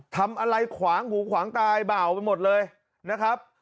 ทำอะไรขวางหูขวางตายบ่าวไปหมดเลยนะครับ